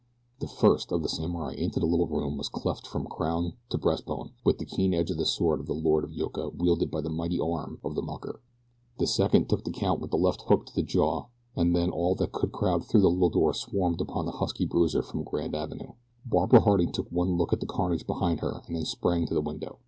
The first of the samurai into the little room was cleft from crown to breast bone with the keen edge of the sword of the Lord of Yoka wielded by the mighty arm of the mucker. The second took the count with a left hook to the jaw, and then all that could crowd through the little door swarmed upon the husky bruiser from Grand Avenue. Barbara Harding took one look at the carnage behind her and then sprang to the window.